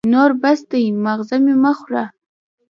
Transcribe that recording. نور بس دی ، ماغزه مي مه خوره !